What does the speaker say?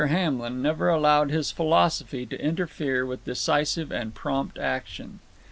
Hamlin never allowed his philosophy to interfere with decisive and prompt action.